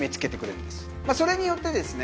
それによってですね